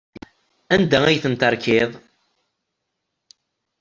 Anda ay ten-terkiḍ?